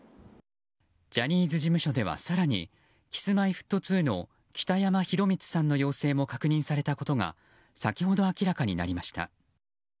ジャニーズ事務所では更にＫｉｓ‐Ｍｙ‐Ｆｔ２の北山宏光さんの陽性も確認されたことが先ほど明らかになりました。